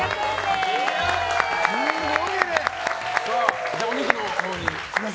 すごいね！